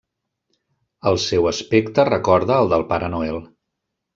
El seu aspecte recorda el del Pare Noel.